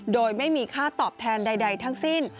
โดยไม่มีค่าตอบแทนใดทั้งสิ้น